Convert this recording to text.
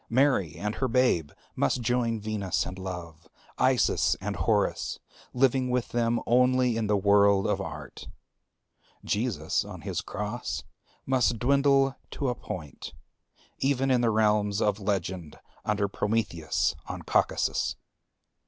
Mary and her babe must join Venus and Love, Isis and Horus; living with them only in the world of art. Jesus on his cross must dwindle to a point, even in the realms of legend under Prometheus on Caucasus.